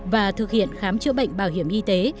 và thực hiện khám chữa bệnh bảo hiểm y tế